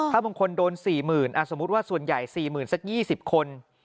ถ้าบางคนโดน๔๐๐๐สมมุติว่าส่วนใหญ่๔๐๐๐สัก๒๐คน